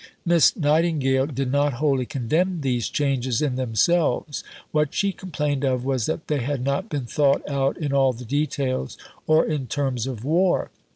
Miss Nightingale did not wholly condemn these changes in themselves. What she complained of was that they had not been thought out in all the details or in terms of war.